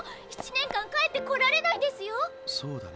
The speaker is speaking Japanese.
⁉７年間帰ってこられないんですよ？